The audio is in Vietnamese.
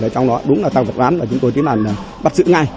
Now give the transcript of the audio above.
trong đó đúng là tăng vật rán và chúng tôi tiến hành bắt giữ ngay